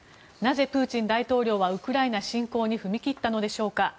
なぜ、プーチン大統領はウクライナ侵攻に踏み切ったのでしょうか。